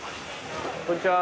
こんにちは。